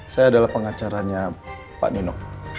saya adalah pengacaranya pak nino